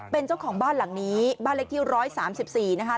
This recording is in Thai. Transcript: เป็นเจ้าของบ้านหลังนี้บ้านเล็กที่๑๓๔นะคะ